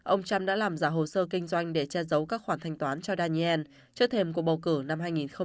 ông trump đã làm giả hồ sơ kinh doanh để che giấu các khoản thanh toán cho daniel trước thềm cuộc bầu cử năm hai nghìn một mươi sáu